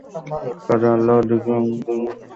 তাদের আল্লাহর দিকে আহবান কর।